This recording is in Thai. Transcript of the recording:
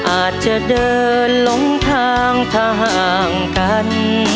อาจจะเดินหลงทางทางกัน